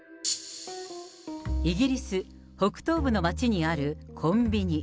イギリス北東部の街にあるコンビニ。